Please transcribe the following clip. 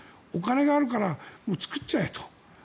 お金があるから作っちゃえと。